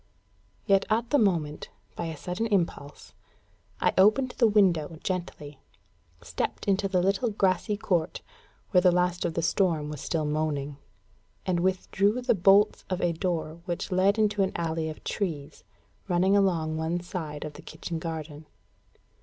Yet at the moment, by a sudden impulse, I opened the window gently, stepped into the little grassy court, where the last of the storm was still moaning, and withdrew the bolts of a door which led into an alley of trees running along one side of the kitchen garden.